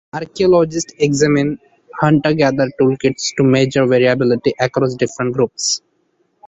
Archaeologists examine hunter-gatherer tool kits to measure variability across different groups.